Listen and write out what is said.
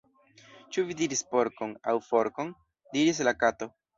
"Ĉu vi diris porkon, aŭ forkon?" diris la Kato.